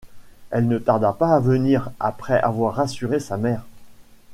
Elle ne tarda pas à venir, après avoir rassuré sa mère.